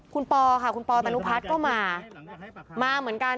คุณปอค่ะคุณปอตนุพัฒน์ก็มามาเหมือนกัน